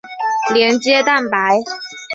连接蛋白。